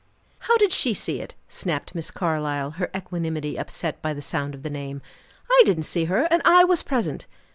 "How did she see it?" snapped Miss Carlyle, her equanimity upset by the sound of the name. "I didn't see her, and I was present."